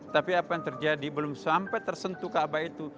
tapi apa yang terjadi belum sampai tersentuh kaabah itu